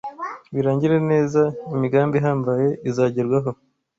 birangire neza, imigambi ihambaye izagerwaho,